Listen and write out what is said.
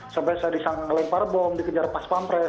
sampai saya disangka lempar bom dikejar pas pampres